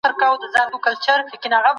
د هرې ورځې لپاره کار مشخص